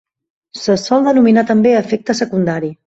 Se sol denominar també efecte secundari.